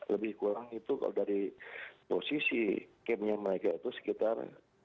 lebih kurang itu kalau dari posisi camp nya mereka itu sekitar